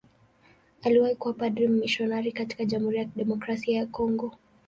Aliwahi kuwa padri mmisionari katika Jamhuri ya Kidemokrasia ya Kongo.